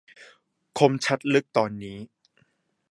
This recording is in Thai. คมชัดลึกตอนนี้